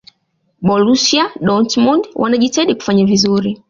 borusia dortmund wanajitahidi kufanya vizuri